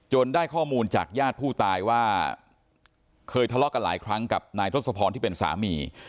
ได้ข้อมูลจากญาติผู้ตายว่าเคยทะเลาะกันหลายครั้งกับนายทศพรที่เป็นสามี